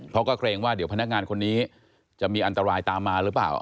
เกรงว่าเดี๋ยวพนักงานคนนี้จะมีอันตรายตามมาหรือเปล่า